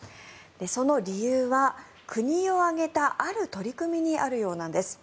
その理由は、国を挙げたある取り組みにあるようなんです。